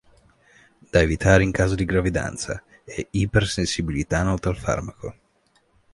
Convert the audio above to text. Da evitare in caso di gravidanza e ipersensibilità nota al farmaco.